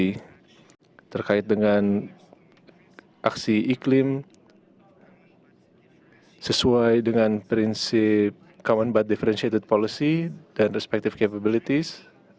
yang terbesar penyelesaian ekonomi yang lebih kuat dan inklusif terkait dengan aksi iklim sesuai dengan prinsip common but differentiated policy dan respective capabilities